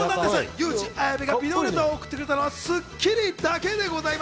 ビデオレターを送ってくれたのは『スッキリ』だけです！